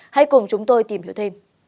hãy cùng chúng tôi tìm hiểu thêm